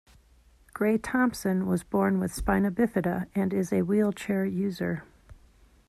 Grey-Thompson was born with spina bifida and is a wheelchair user.